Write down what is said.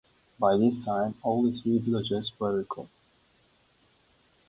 By this time only three villagers were recorded.